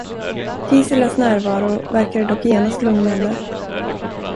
Giselas närvaro verkade dock genast lugnande.